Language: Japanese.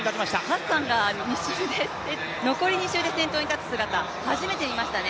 ハッサンが残り２周で先頭に立つ姿、初めて見ましたね。